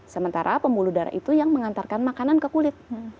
sementara pembuluh darah itu yang mengantarkan makanan ke kulit